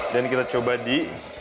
dan kita coba di